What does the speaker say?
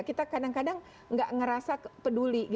kita kadang kadang tidak merasa peduli